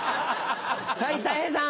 はいたい平さん。